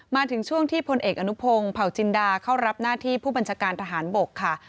มาถึงช่วงที่พลเอกอนุพงศ์เผาจินดาเข้ารับหน้าที่ผู้บัญชาการทหารบกค่ะ